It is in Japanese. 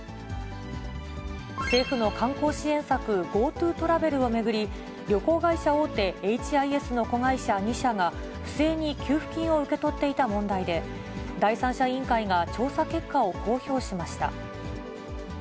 政府の観光支援策、ＧｏＴｏトラベルを巡り、旅行会社大手、ＨＩＳの子会社、２社が、不正に給付金を受け取っていた問題で、第三者委員会が調査結果を公表しました。